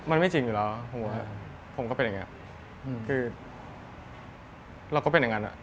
มันไม่จริงอยู่แล้วผมก็เป็นอย่างนั้น